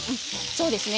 そうですね。